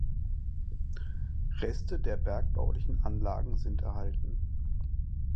Reste der bergbaulichen Anlagen sind erhalten.